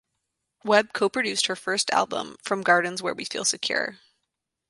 Webb co-produced her first album "From Gardens Where We Feel Secure".